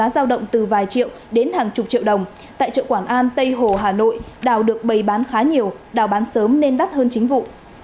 giao động từ vài triệu đến hàng chục triệu đồng tại chợ quảng an tây hồ hà nội đào được bày bán khá nhiều đào bán sớm nên đắt hơn chính vụ